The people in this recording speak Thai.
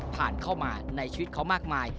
ผ่านเข้ามาในชีวิตเขามากมาย